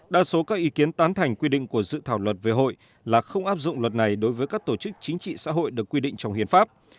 đa số các ý kiến tán thành quy định của dự thảo luật về hội là không áp dụng luật này đối với các tổ chức chính trị xã hội được quy định trong hiến pháp